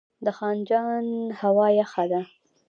د خنجان هوا یخه ده